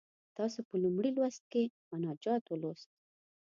تاسې په لومړي لوست کې مناجات ولوست.